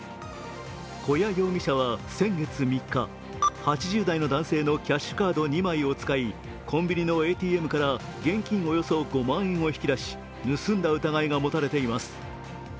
古屋容疑者は先月３日、８０代の男性のキャッシュカード２枚を使いコンビニのＡＴＭから現金およそ５万円を引き出し盗んだ疑いが持たれています。